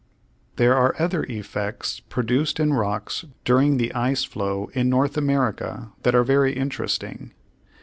There are other effects produced in rocks during the ice flow in North America that are very interesting.